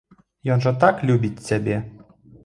Ён жа так любіць цябе.